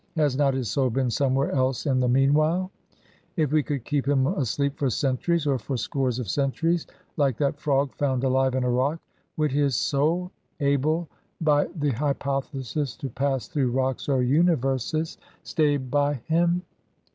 Has not his soul been somewhere else in the meanwhile? If we could keep him asleep for centuries, or for scores of centuries, like that frog found alive in a rock, would his soul able by the hypothesis to pass through rocks or universes stay by him?